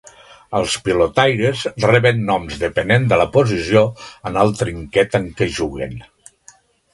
Els pilotaires reben noms depenent de la posició en el trinquet en què juguen.